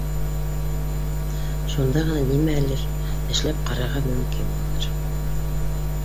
Шунда ғына нимәлер эшләп ҡарарға мөмкин булыр